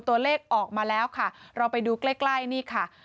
ตัวเลขออกมาแล้วค่ะเราไปดูใกล้ใกล้นี่ค่ะ